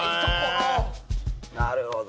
なるほど。